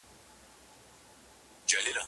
چي هم له ګل او هم له خاره سره لوبي کوي